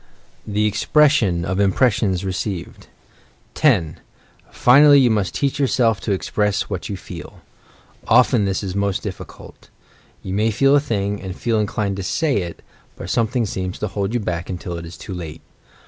THE EXPRESSION OP IMPRESSIONS RECEIVED 10. Finally, you must teach yourself to express what you feel. Often this is most difficult. You may feel a thing, and feel inclined to say it, but something seems to hold you back until it is too late.